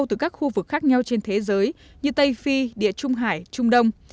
từ các khu vực khác nhau trên thế giới như tây phi địa trung hải trung đông